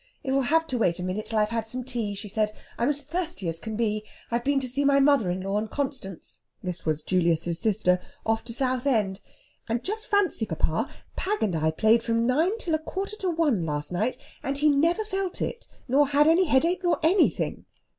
"It will have to wait a minute till I've had some tea," she said. "I'm as thirsty as I can be. I've been to see my mother in law and Constance" this was Julius's sister "off to Southend. And just fancy, papa; Pag and I played from nine till a quarter to one last night, and he never felt it, nor had any headache nor anything."